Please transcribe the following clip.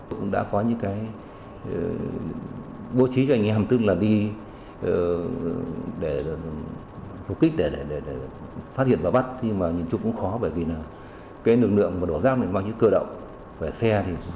cũng đã có những cái bố trí cho anh ấy hầm tức là đi